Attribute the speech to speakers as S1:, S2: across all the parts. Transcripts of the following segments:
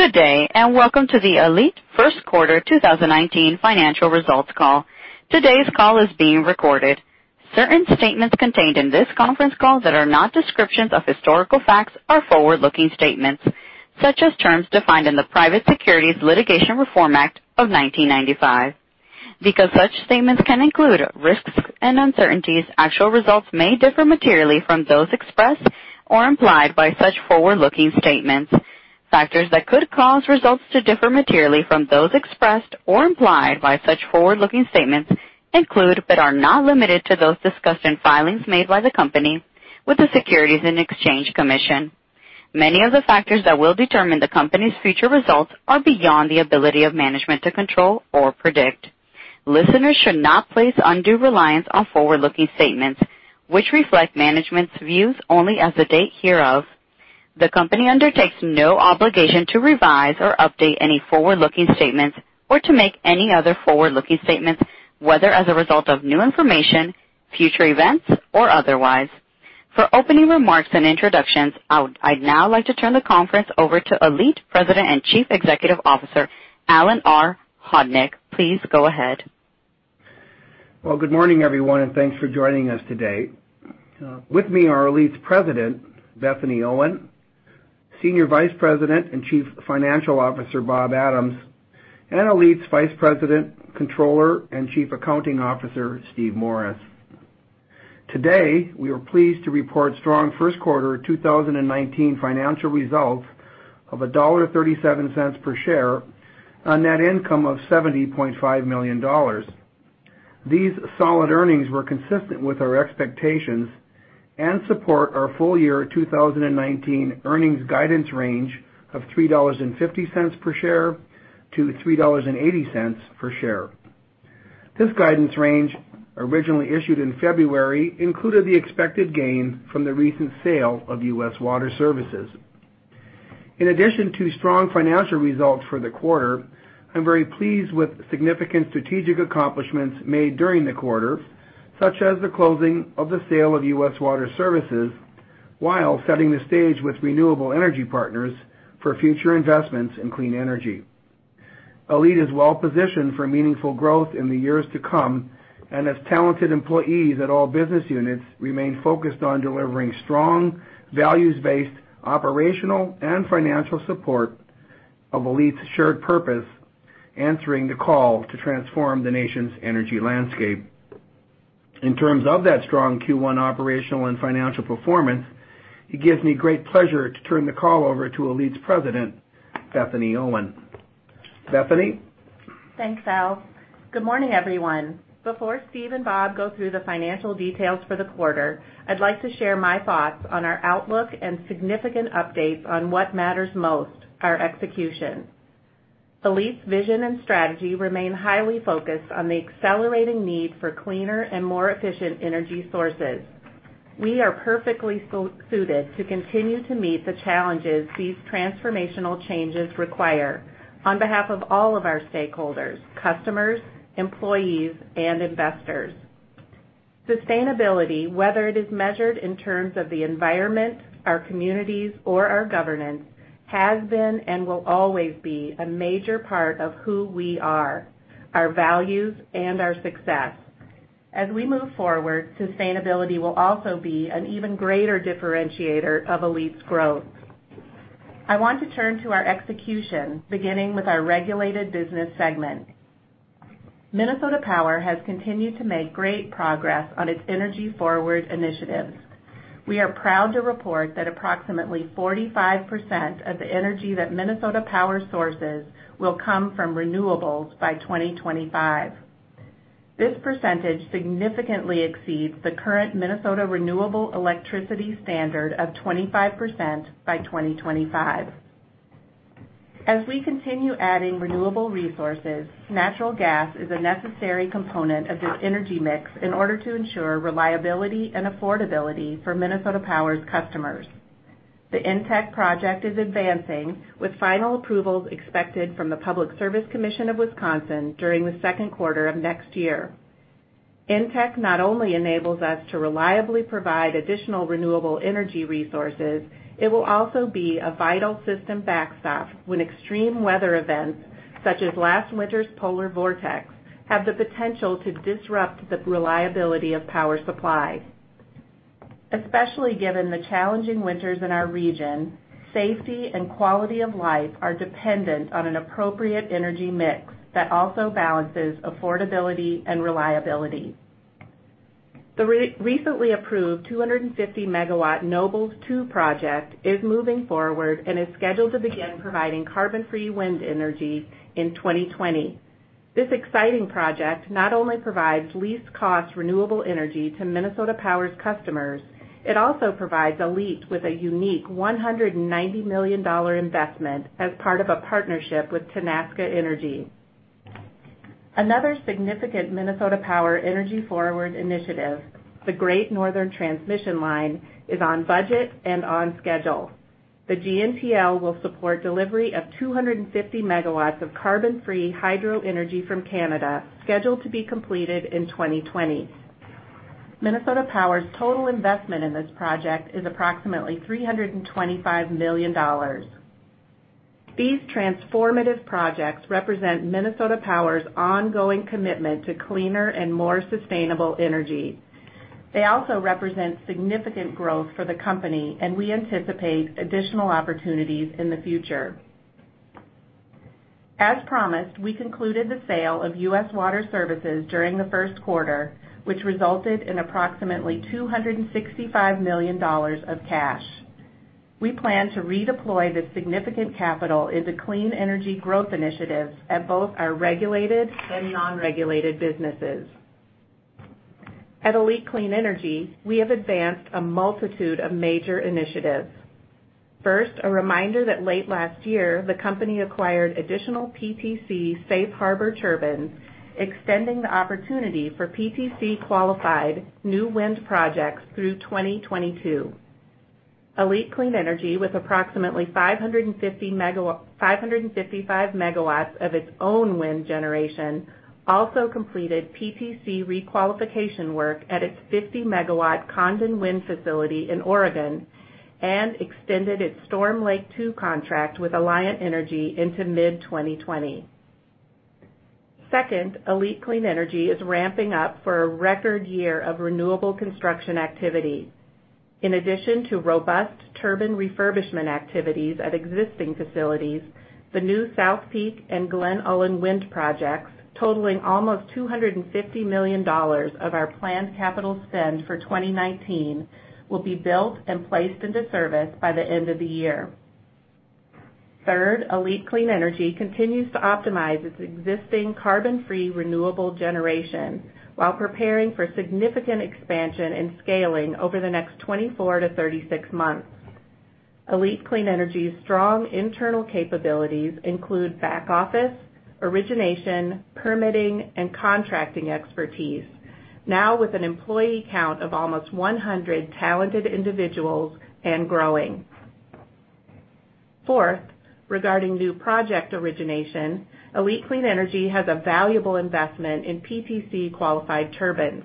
S1: Good day, and welcome to the ALLETE first quarter 2019 financial results call. Today's call is being recorded. Certain statements contained in this conference call that are not descriptions of historical facts are forward-looking statements, such as terms defined in the Private Securities Litigation Reform Act of 1995. Because such statements can include risks and uncertainties, actual results may differ materially from those expressed or implied by such forward-looking statements. Factors that could cause results to differ materially from those expressed or implied by such forward-looking statements include, but are not limited to, those discussed in filings made by the company with the Securities and Exchange Commission. Many of the factors that will determine the company's future results are beyond the ability of management to control or predict. Listeners should not place undue reliance on forward-looking statements, which reflect management's views only as of the date hereof. The company undertakes no obligation to revise or update any forward-looking statements or to make any other forward-looking statements, whether as a result of new information, future events, or otherwise. For opening remarks and introductions, I'd now like to turn the conference over to ALLETE President and Chief Executive Officer, Alan R. Hodnik. Please go ahead.
S2: Good morning, everyone, and thanks for joining us today. With me are ALLETE's President, Bethany Owen; Senior Vice President and Chief Financial Officer, Robert Adams; and ALLETE's Vice President, Controller, and Chief Accounting Officer, Steven Morris. Today, we are pleased to report strong first quarter 2019 financial results of $1.37 per share on net income of $70.5 million. These solid earnings were consistent with our expectations and support our full year 2019 earnings guidance range of $3.50 per share to $3.80 per share. This guidance range, originally issued in February, included the expected gain from the recent sale of U.S. Water Services. In addition to strong financial results for the quarter, I'm very pleased with significant strategic accomplishments made during the quarter, such as the closing of the sale of U.S. Water Services, while setting the stage with Renewable Energy Partners for future investments in clean energy. ALLETE is well-positioned for meaningful growth in the years to come, and its talented employees at all business units remain focused on delivering strong, values-based operational and financial support of ALLETE's shared purpose, answering the call to transform the nation's energy landscape. In terms of that strong Q1 operational and financial performance, it gives me great pleasure to turn the call over to ALLETE's President, Bethany Owen. Bethany?
S3: Thanks, Al. Good morning, everyone. Before Steve and Bob go through the financial details for the quarter, I'd like to share my thoughts on our outlook and significant updates on what matters most, our execution. ALLETE's vision and strategy remain highly focused on the accelerating need for cleaner and more efficient energy sources. We are perfectly suited to continue to meet the challenges these transformational changes require on behalf of all of our stakeholders, customers, employees, and investors. Sustainability, whether it is measured in terms of the environment, our communities, or our governance, has been and will always be a major part of who we are, our values, and our success. As we move forward, sustainability will also be an even greater differentiator of ALLETE's growth. I want to turn to our execution, beginning with our regulated business segment. Minnesota Power has continued to make great progress on its EnergyForward initiatives. We are proud to report that approximately 45% of the energy that Minnesota Power sources will come from renewables by 2025. This percentage significantly exceeds the current Minnesota Renewable Electricity Standard of 25% by 2025. As we continue adding renewable resources, natural gas is a necessary component of this energy mix in order to ensure reliability and affordability for Minnesota Power's customers. The NTEC project is advancing, with final approvals expected from the Public Service Commission of Wisconsin during the second quarter of next year. NTEC not only enables us to reliably provide additional renewable energy resources, it will also be a vital system backstop when extreme weather events, such as last winter's polar vortex, have the potential to disrupt the reliability of power supply. Especially given the challenging winters in our region, safety and quality of life are dependent on an appropriate energy mix that also balances affordability and reliability. The recently approved 250-megawatt Nobles 2 project is moving forward and is scheduled to begin providing carbon-free wind energy in 2020. This exciting project not only provides least cost renewable energy to Minnesota Power's customers, it also provides ALLETE with a unique $190 million investment as part of a partnership with Tenaska Energy. Another significant Minnesota Power EnergyForward initiative, the Great Northern Transmission Line, is on budget and on schedule. The GNTL will support delivery of 250 megawatts of carbon-free hydro energy from Canada, scheduled to be completed in 2020. Minnesota Power's total investment in this project is approximately $325 million. These transformative projects represent Minnesota Power's ongoing commitment to cleaner and more sustainable energy. They also represent significant growth for the company, and we anticipate additional opportunities in the future. As promised, we concluded the sale of U.S. Water Services during the first quarter, which resulted in approximately $265 million of cash. We plan to redeploy this significant capital into clean energy growth initiatives at both our regulated and non-regulated businesses. At ALLETE Clean Energy, we have advanced a multitude of major initiatives. First, a reminder that late last year, the company acquired additional PTC safe harbor turbines, extending the opportunity for PTC-qualified new wind projects through 2022. ALLETE Clean Energy, with approximately 555 megawatts of its own wind generation, also completed PTC re-qualification work at its 50-megawatt Condon wind facility in Oregon and extended its Storm Lake II contract with Alliant Energy into mid-2020. Second, ALLETE Clean Energy is ramping up for a record year of renewable construction activity. In addition to robust turbine refurbishment activities at existing facilities, the new South Peak and Glen Ullin wind projects, totaling almost $250 million of our planned capital spend for 2019, will be built and placed into service by the end of the year. Third, ALLETE Clean Energy continues to optimize its existing carbon-free renewable generation while preparing for significant expansion and scaling over the next 24 to 36 months. ALLETE Clean Energy's strong internal capabilities include back office, origination, permitting, and contracting expertise, now with an employee count of almost 100 talented individuals and growing. Fourth, regarding new project origination, ALLETE Clean Energy has a valuable investment in PTC-qualified turbines.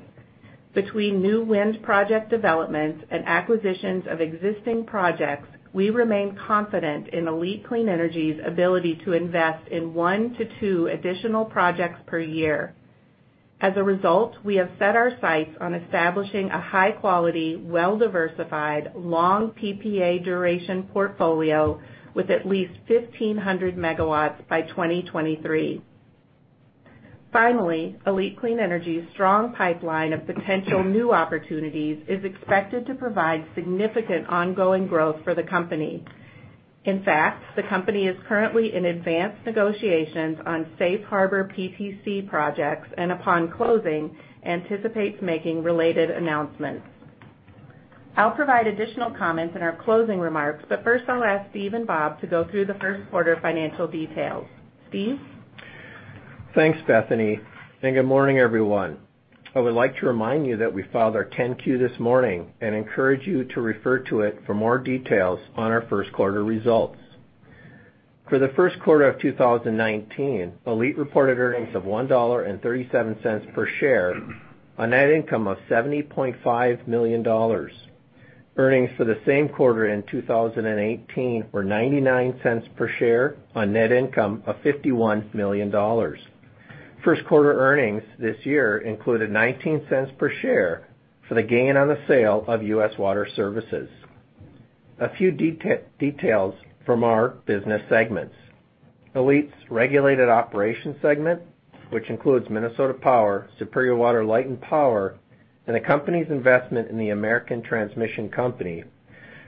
S3: Between new wind project developments and acquisitions of existing projects, we remain confident in ALLETE Clean Energy's ability to invest in one to two additional projects per year. As a result, we have set our sights on establishing a high-quality, well-diversified, long PPA duration portfolio with at least 1,500 megawatts by 2023. ALLETE Clean Energy's strong pipeline of potential new opportunities is expected to provide significant ongoing growth for the company. In fact, the company is currently in advanced negotiations on safe harbor PTC projects, and upon closing, anticipates making related announcements. I'll provide additional comments in our closing remarks, first I'll ask Steve and Bob to go through the first quarter financial details. Steve?
S4: Thanks, Bethany, good morning, everyone. I would like to remind you that we filed our 10-Q this morning and encourage you to refer to it for more details on our first quarter results. For the first quarter of 2019, ALLETE reported earnings of $1.37 per share on net income of $70.5 million. Earnings for the same quarter in 2018 were $0.99 per share on net income of $51 million. First quarter earnings this year included $0.19 per share for the gain on the sale of U.S. Water Services. A few details from our business segments. ALLETE's Regulated Operations segment, which includes Minnesota Power, Superior Water, Light and Power, and the company's investment in the American Transmission Company,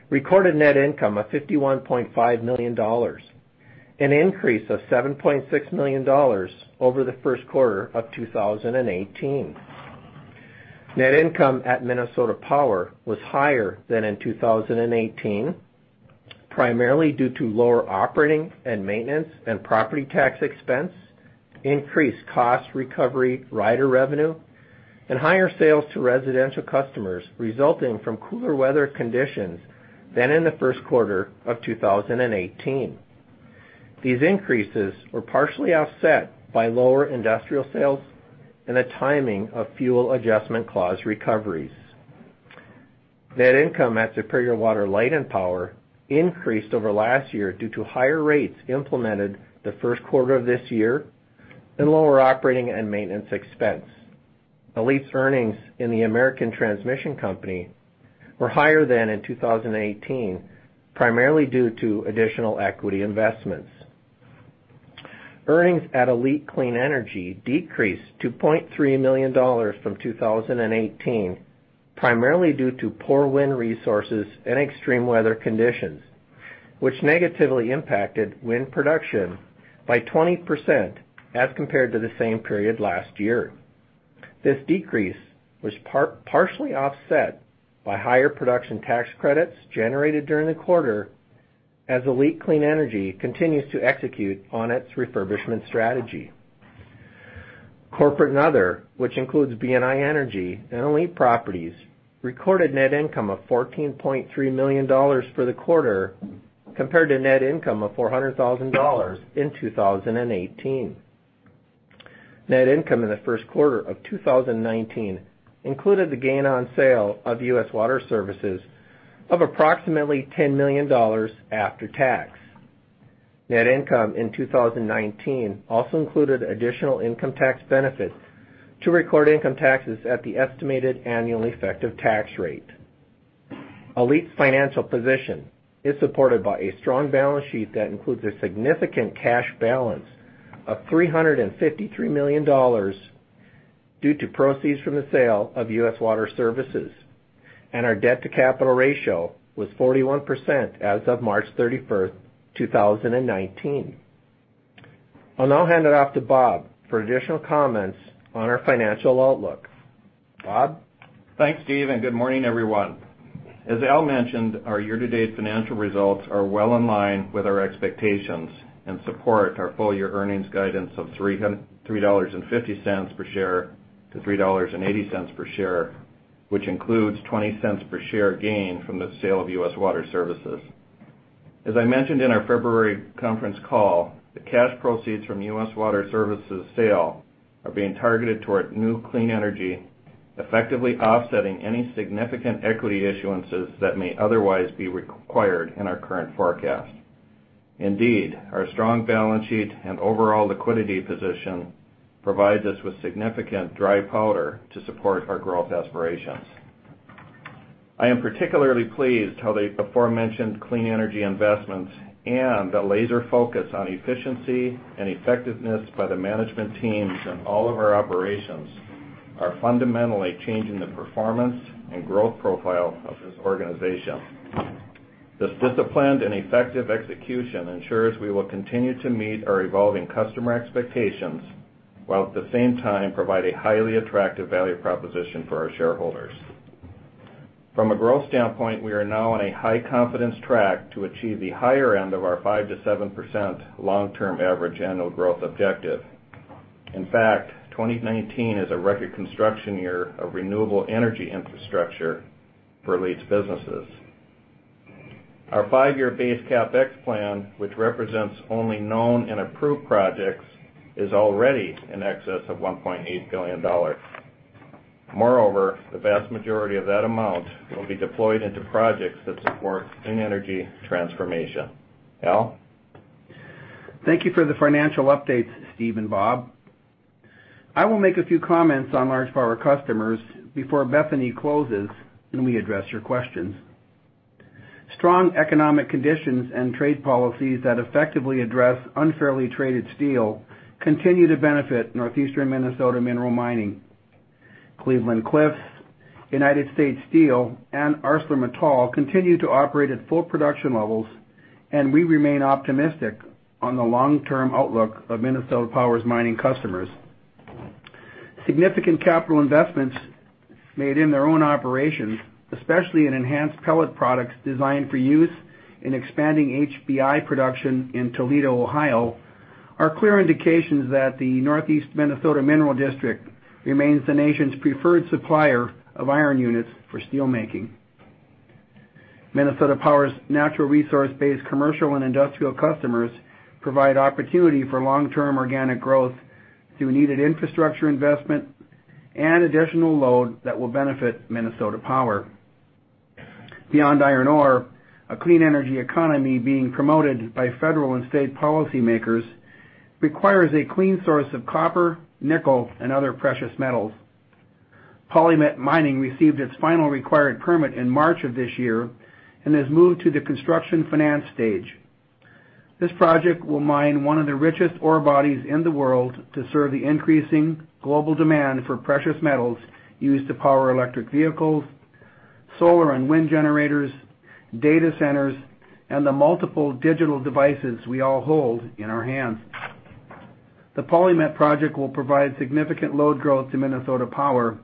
S4: recorded net income of $51.5 million, an increase of $7.6 million over the first quarter of 2018. Net income at Minnesota Power was higher than in 2018, primarily due to lower operating and maintenance and property tax expense, increased cost recovery rider revenue, and higher sales to residential customers resulting from cooler weather conditions than in the first quarter of 2018. These increases were partially offset by lower industrial sales and the timing of fuel adjustment clause recoveries. Net income at Superior Water, Light and Power increased over last year due to higher rates implemented the first quarter of this year and lower operating and maintenance expense. ALLETE's earnings in the American Transmission Company were higher than in 2018, primarily due to additional equity investments. Earnings at ALLETE Clean Energy decreased to $0.3 million from 2018, primarily due to poor wind resources and extreme weather conditions, which negatively impacted wind production by 20% as compared to the same period last year. This decrease was partially offset by higher Production Tax Credits generated during the quarter as ALLETE Clean Energy continues to execute on its refurbishment strategy. Corporate and other, which includes BNI Energy and ALLETE Properties, recorded net income of $14.3 million for the quarter, compared to net income of $400,000 in 2018. Net income in the first quarter of 2019 included the gain on sale of U.S. Water Services of approximately $10 million after tax. Net income in 2019 also included additional income tax benefits to record income taxes at the estimated annual effective tax rate. ALLETE's financial position is supported by a strong balance sheet that includes a significant cash balance of $353 million due to proceeds from the sale of U.S. Water Services, and our debt-to-capital ratio was 41% as of March 31st, 2019. I'll now hand it off to Bob for additional comments on our financial outlook. Bob?
S5: Thanks, Steve, and good morning, everyone. As Al mentioned, our year-to-date financial results are well in line with our expectations and support our full-year earnings guidance of $3.50 per share to $3.80 per share, which includes $0.20 per share gain from the sale of U.S. Water Services. As I mentioned in our February conference call, the cash proceeds from U.S. Water Services sale are being targeted toward new clean energy, effectively offsetting any significant equity issuances that may otherwise be required in our current forecast. Indeed, our strong balance sheet and overall liquidity position provides us with significant dry powder to support our growth aspirations. I am particularly pleased how the aforementioned clean energy investments and the laser focus on efficiency and effectiveness by the management teams in all of our operations are fundamentally changing the performance and growth profile of this organization. This disciplined and effective execution ensures we will continue to meet our evolving customer expectations, while at the same time, provide a highly attractive value proposition for our shareholders. From a growth standpoint, we are now on a high-confidence track to achieve the higher end of our 5%-7% long-term average annual growth objective. In fact, 2019 is a record construction year of renewable energy infrastructure for ALLETE's businesses. Our five-year base CapEx plan, which represents only known and approved projects, is already in excess of $1.8 billion. Moreover, the vast majority of that amount will be deployed into projects that support clean energy transformation. Al?
S2: Thank you for the financial updates, Steve and Bob. I will make a few comments on large power customers before Bethany closes and we address your questions. Strong economic conditions and trade policies that effectively address unfairly traded steel continue to benefit Northeastern Minnesota mineral mining. Cleveland-Cliffs, United States Steel, and ArcelorMittal continue to operate at full production levels, and we remain optimistic on the long-term outlook of Minnesota Power's mining customers. Significant capital investments made in their own operations, especially in enhanced pellet products designed for use in expanding HBI production in Toledo, Ohio, are clear indications that the Northeast Minnesota mineral district remains the nation's preferred supplier of iron units for steelmaking. Minnesota Power's natural resource-based commercial and industrial customers provide opportunity for long-term organic growth through needed infrastructure investment and additional load that will benefit Minnesota Power. Beyond iron ore, a clean energy economy being promoted by federal and state policymakers requires a clean source of copper, nickel, and other precious metals. PolyMet Mining received its final required permit in March of this year and has moved to the construction finance stage. This project will mine one of the richest ore bodies in the world to serve the increasing global demand for precious metals used to power electric vehicles, solar and wind generators, data centers, and the multiple digital devices we all hold in our hands. The PolyMet project will provide significant load growth to Minnesota Power,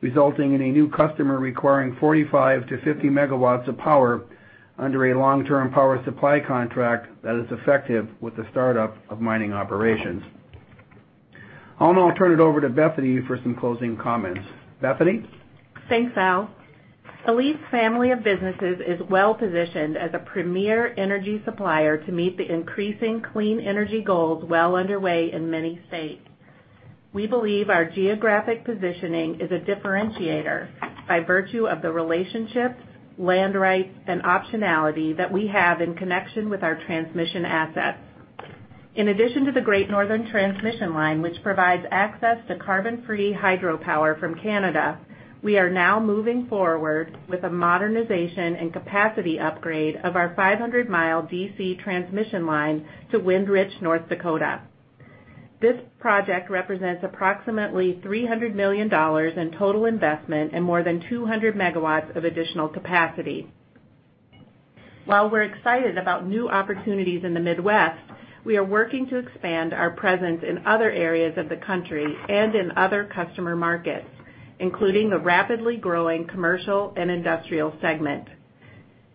S2: resulting in a new customer requiring 45 to 50 megawatts of power under a long-term power supply contract that is effective with the startup of mining operations. I'll now turn it over to Bethany for some closing comments. Bethany?
S3: Thanks, Al. ALLETE's family of businesses is well-positioned as a premier energy supplier to meet the increasing clean energy goals well underway in many states. We believe our geographic positioning is a differentiator by virtue of the relationships, land rights, and optionality that we have in connection with our transmission assets. In addition to the Great Northern Transmission Line, which provides access to carbon-free hydropower from Canada, we are now moving forward with a modernization and capacity upgrade of our 500-mile DC transmission line to wind-rich North Dakota. This project represents approximately $300 million in total investment and more than 200 megawatts of additional capacity. While we're excited about new opportunities in the Midwest, we are working to expand our presence in other areas of the country and in other customer markets, including the rapidly growing commercial and industrial segment.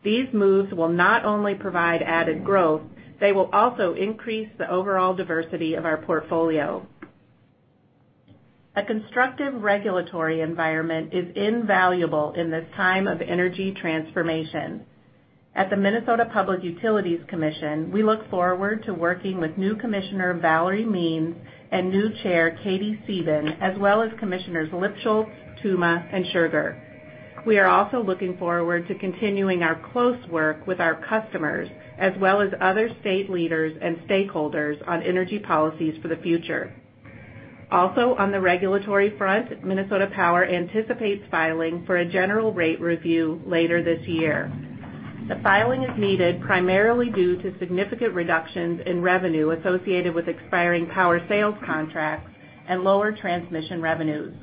S3: These moves will not only provide added growth, they will also increase the overall diversity of our portfolio. A constructive regulatory environment is invaluable in this time of energy transformation. At the Minnesota Public Utilities Commission, we look forward to working with new Commissioner Valerie Means and new Chair Katie Sieben, as well as Commissioners Lipschultz, Tuma, and Schuerger. We are also looking forward to continuing our close work with our customers, as well as other state leaders and stakeholders on energy policies for the future. Also, on the regulatory front, Minnesota Power anticipates filing for a general rate review later this year. The filing is needed primarily due to significant reductions in revenue associated with expiring power sales contracts and lower transmission revenues.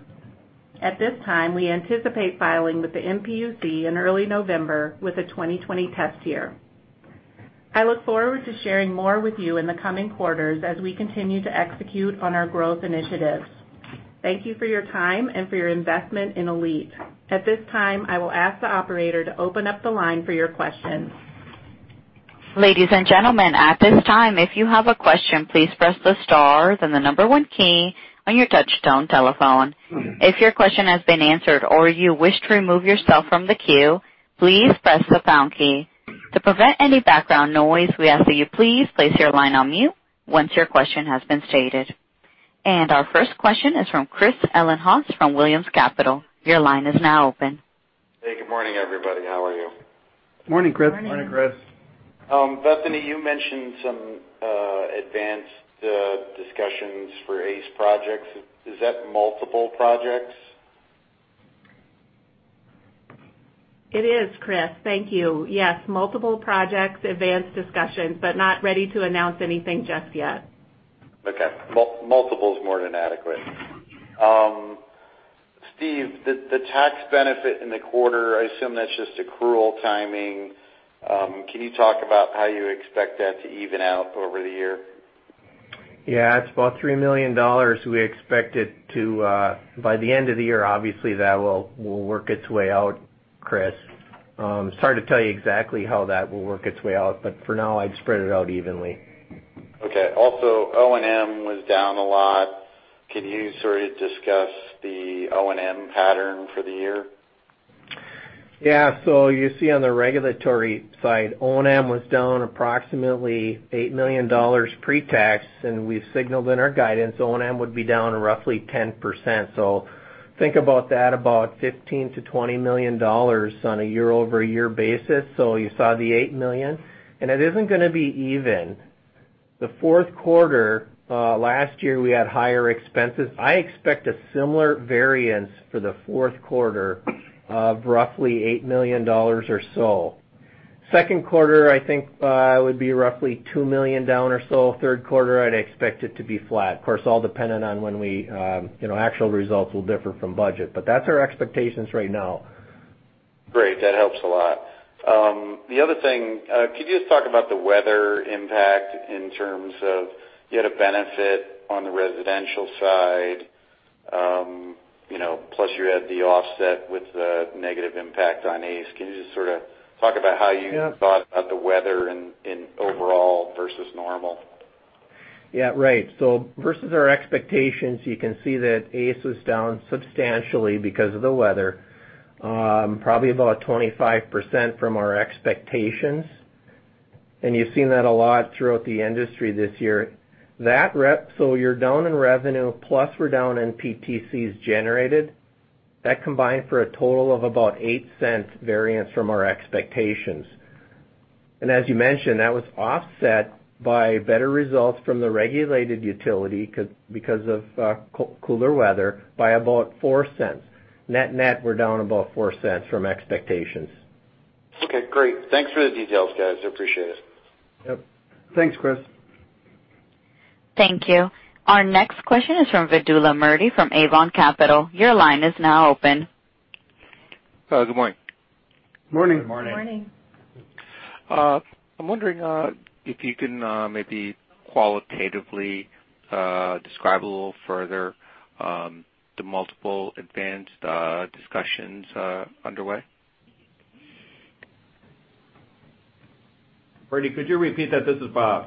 S3: At this time, we anticipate filing with the MPUC in early November with a 2020 test year. I look forward to sharing more with you in the coming quarters as we continue to execute on our growth initiatives. Thank you for your time and for your investment in ALLETE. At this time, I will ask the operator to open up the line for your questions.
S1: Ladies and gentlemen, at this time, if you have a question, please press the star then the number one key on your touchtone telephone. If your question has been answered or you wish to remove yourself from the queue, please press the pound key. To prevent any background noise, we ask that you please place your line on mute once your question has been stated. Our first question is from Chris Ellinghaus from Williams Capital. Your line is now open.
S6: Hey, good morning, everybody. How are you?
S3: Morning, Chris.
S5: Morning.
S4: Morning, Chris.
S6: Bethany, you mentioned some advanced discussions for ACE projects. Is that multiple projects?
S3: It is, Chris. Thank you. Yes, multiple projects, advanced discussions, not ready to announce anything just yet.
S6: Okay. Multiple is more than adequate. Steve, the tax benefit in the quarter, I assume that's just accrual timing. Can you talk about how you expect that to even out over the year?
S4: Yeah. It's about $3 million. We expect it to, by the end of the year, obviously, that will work its way out, Chris. It's hard to tell you exactly how that will work its way out, for now, I'd spread it out evenly.
S6: Okay. O&M was down a lot. Can you sort of discuss the O&M pattern for the year?
S4: Yeah. You see on the regulatory side, O&M was down approximately $8 million pre-tax. We've signaled in our guidance O&M would be down roughly 10%. Think about that, about $15 million-$20 million on a year-over-year basis. You saw the $8 million, and it isn't going to be even. The fourth quarter, last year, we had higher expenses. I expect a similar variance for the fourth quarter of roughly $8 million or so. Second quarter, I think, would be roughly $2 million down or so. Third quarter, I'd expect it to be flat. Of course, all dependent on actual results will differ from budget. That's our expectations right now.
S6: Great. That helps a lot. The other thing, could you just talk about the weather impact in terms of you had a benefit on the residential side, plus you had the offset with the negative impact on ACE. Can you just sort of talk about how you
S4: Yeah
S6: thought about the weather in overall versus normal?
S4: Yeah. Right. Versus our expectations, you can see that ACE was down substantially because of the weather, probably about 25% from our expectations. You've seen that a lot throughout the industry this year. You're down in revenue, plus we're down in PTCs generated. That combined for a total of about $0.08 variance from our expectations. As you mentioned, that was offset by better results from the regulated utility because of cooler weather by about $0.04. Net net, we're down about $0.04 from expectations.
S6: Okay, great. Thanks for the details, guys. I appreciate it.
S4: Yep.
S5: Thanks, Chris.
S1: Thank you. Our next question is from Vedula Murti from Avon Capital. Your line is now open.
S7: Hello. Good morning.
S5: Morning.
S4: Good morning.
S3: Morning.
S7: I'm wondering if you can maybe qualitatively describe a little further the multiple advanced discussions underway.
S5: Murty, could you repeat that? This is Bob.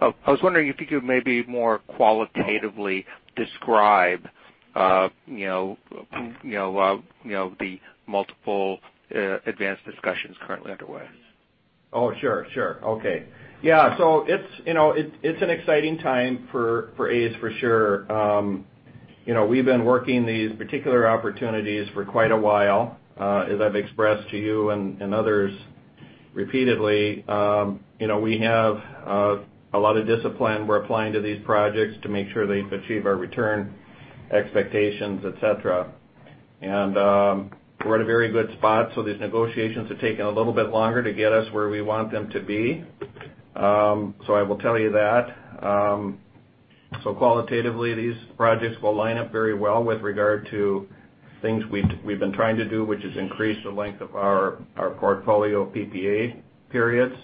S7: I was wondering if you could maybe more qualitatively describe the multiple advanced discussions currently underway.
S5: Sure. Okay. It's an exciting time for ACE for sure. We've been working these particular opportunities for quite a while. As I've expressed to you and others repeatedly, we have a lot of discipline we're applying to these projects to make sure they achieve our return expectations, et cetera. We're at a very good spot. These negotiations are taking a little bit longer to get us where we want them to be. I will tell you that. Qualitatively, these projects will line up very well with regard to things we've been trying to do, which is increase the length of our portfolio PPA periods.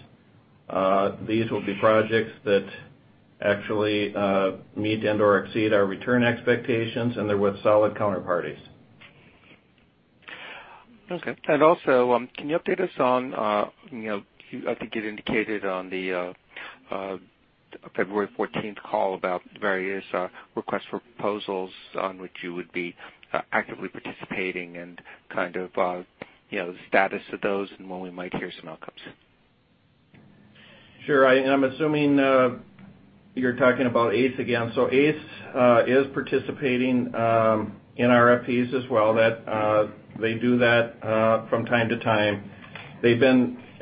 S5: These will be projects that actually meet and/or exceed our return expectations, and they're with solid counterparties.
S7: Okay. Also, can you update us on, I think you indicated on the February 14th call about various requests for proposals on which you would be actively participating and the status of those and when we might hear some outcomes?
S5: Sure. I'm assuming you're talking about ACE again. ACE is participating in RFPs as well. They do that from time to time.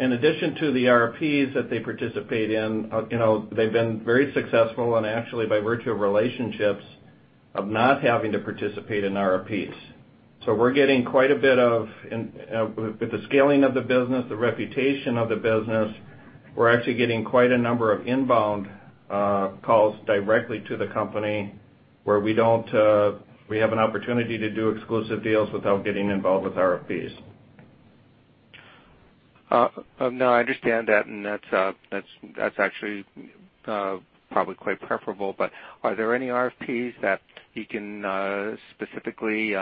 S5: In addition to the RFPs that they participate in, they've been very successful, and actually by virtue of relationships, of not having to participate in RFPs. With the scaling of the business, the reputation of the business, we're actually getting quite a number of inbound calls directly to the company, where we have an opportunity to do exclusive deals without getting involved with RFPs.
S7: I understand that, and that's actually probably quite preferable. Are there any RFPs that you can specifically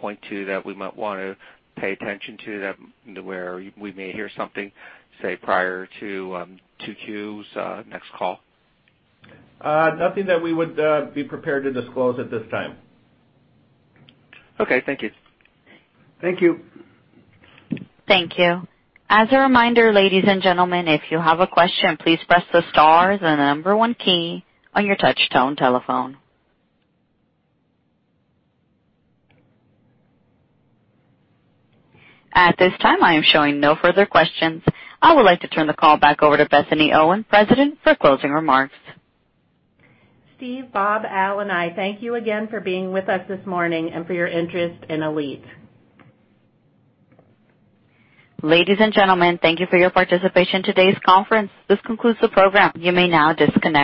S7: point to that we might want to pay attention to, where we may hear something, say, prior to 2Q's next call?
S5: Nothing that we would be prepared to disclose at this time.
S7: Okay. Thank you.
S5: Thank you.
S1: Thank you. As a reminder, ladies and gentlemen, if you have a question, please press the star and the number one key on your touch tone telephone. At this time, I am showing no further questions. I would like to turn the call back over to Bethany Owen, president, for closing remarks.
S3: Steve, Bob, Al, and I thank you again for being with us this morning and for your interest in ALLETE.
S1: Ladies and gentlemen, thank you for your participation in today's conference. This concludes the program. You may now disconnect.